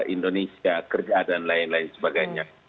indonesia kerja dan lain lain sebagainya